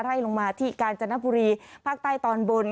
ลงมาที่กาญจนบุรีภาคใต้ตอนบน